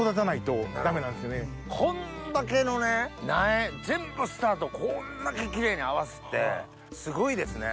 こんだけのね苗全部スタートこんだけキレイに合わすってすごいですね。